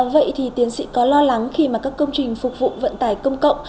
vậy thì tiến sĩ có lo lắng khi mà các công trình phục vụ vận tải công cộng